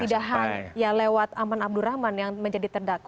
tidak hanya lewat aman abdurrahman yang menjadi terdakwa